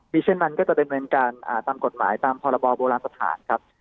มีเช่นนั้นก็จะเป็นการตามกฎหมายตามพรบสถานครับ